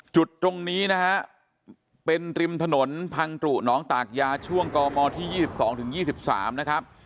จุดตรงนี้นะฮะเป็นริมถนนพังตรุหนองตากยาช่วงกมที่๒๒๒๓นะครับ